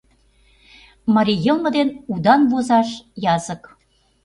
Марий йылме дене Удан возаш язык.